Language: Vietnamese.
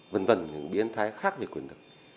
v v những biến thái khác về quyền lực